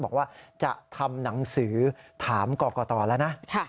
บอกว่าจะทำหนังสือถามกรกตแล้วนะ